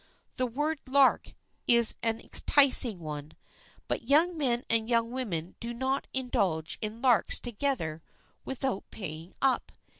The word "lark" is an enticing one, but young men and young women do not indulge in "larks" together without paying up.